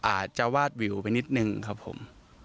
อาจจะวาดวิวไปนิดนึงครับผม